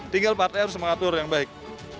tinggal partai harus mengatur yang baik